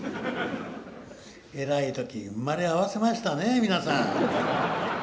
えらい時に生まれ合わせましたね皆さん。